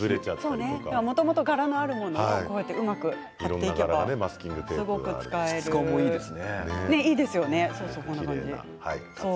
もともと柄のあるものをうまく貼っていけばすごく使えます。